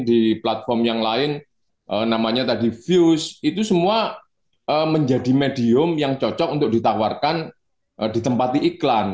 di platform yang lain namanya tadi views itu semua menjadi medium yang cocok untuk ditawarkan ditempati iklan